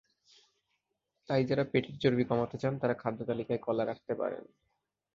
তাই যাঁরা পেটের চর্বি কমাতে চান, তাঁরা খাদ্যতালিকায় কলা রাখতে পারেন।